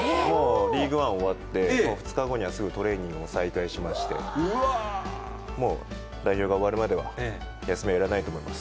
リーグワン終わって２日後にはすぐトレーニングを再開しまして、もう代表が終わるまでは、休みはいらないと思います。